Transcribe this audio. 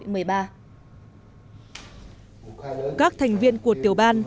các thành viên của tiểu ban